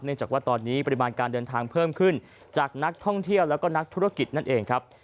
จากว่าตอนนี้ปริมาณการเดินทางเพิ่มขึ้นจากนักท่องเที่ยวแล้วก็นักธุรกิจนั่นเองครับ